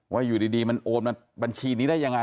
ว่าอยู่ดีมันโอนมาบัญชีนี้ได้ยังไง